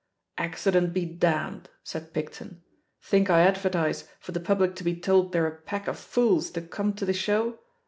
^Accident be damned!' said Picton. *Think I advertise for the public to be told they're a pack of fools to come to the show?